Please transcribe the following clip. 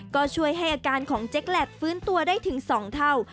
ก็ช่วยให้อาการของเจ๊กแลตฟื้นตัวได้ถึง๒เท่า